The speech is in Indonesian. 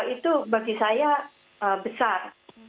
itu bagi saya besar